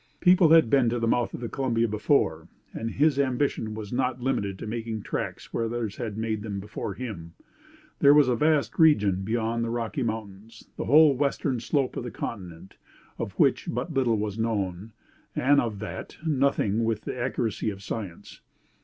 People had been to the mouth of the Columbia before, and his ambition was not limited to making tracks where others had made them before him. There was a vast region beyond the Rocky Mountains the whole western slope of our continent of which but little was known; and of that little, nothing with the accuracy of science.